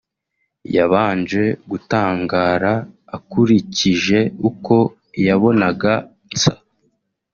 yabanje gutangara akurikije uko yabonaga nsa